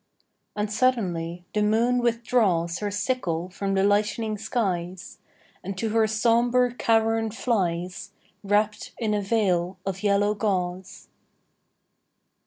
And suddenly the moon withdraws Her sickle from the lightening skies, And to her sombre cavern flies, Wrapped in a veil of yellow gauze.